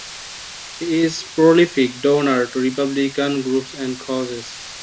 He is prolific donor to Republican groups and causes.